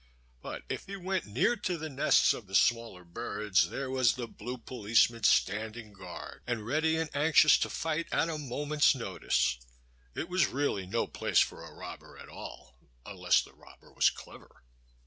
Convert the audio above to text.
But if he went near to the nests of the smaller birds, there was the blue policeman standing guard, and ready and anxious to fight at a moment's notice. It was really no place for a robber at all, unless the robber was clever.